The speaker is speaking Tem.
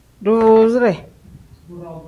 Duvuuzire.